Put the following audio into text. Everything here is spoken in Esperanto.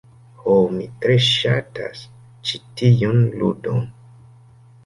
Ho, mi tre ŝatas ĉi tiun ludon.